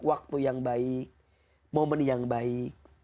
waktu yang baik momen yang baik